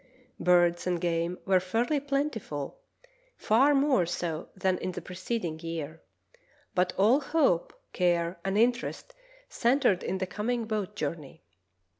Birds and game were fairly plenti ful, far more so than in the preceding year, but all hope, care, and interest centred in the coming boat journey.